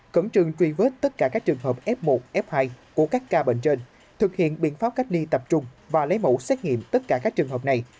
khẩn trương truy vết tất cả các trường hợp f một f hai của các ca bệnh trên thực hiện biện pháp cách ly tập trung và lấy mẫu xét nghiệm tất cả các trường hợp này